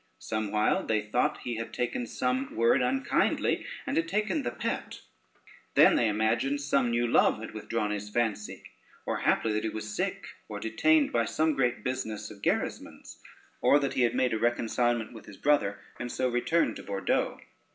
Somewhile they thought he had taken some word unkindly, and had taken the pet; then they imagined some new love had withdrawn his fancy, or happily that he was sick, or detained by some great business of Gerismond's, or that he had made a reconcilement with his brother, and so returned to Bordeaux.